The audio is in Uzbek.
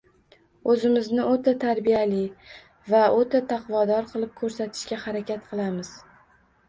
Oʻzimizni oʻta tarbiyali va oʻta taqvodor qilib koʻrsatishga harakat qilamiz.